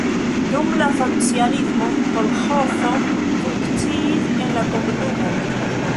Dum la socialismo kolĥozo funkciis en la komunumo.